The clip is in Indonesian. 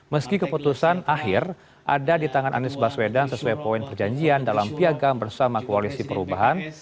meski keputusan akhir ada di tangan anies baswedan sesuai poin perjanjian dalam piagam bersama koalisi perubahan